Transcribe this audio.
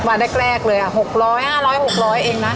วันแรกเลยอะ๕๐๐๖๐๐บาทเองนะ